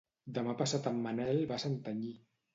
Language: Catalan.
Demà passat en Manel va a Santanyí.